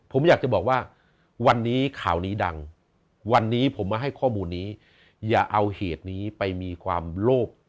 ผมอยากจะบอกว่าวันนี้ข่าวนี้ดังวันนี้ผมมาให้ข้อมูลนี้อย่าเอาเหตุนี้ไปมีความโลภ